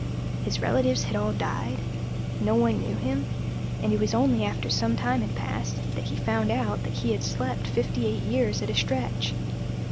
His relatives had all died, no one knew him, and it was only after some time had passed that he found out that he had slept fifty eight years at a stretch.